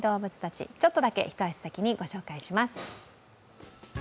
ちょっとだけ一足先にご紹介します。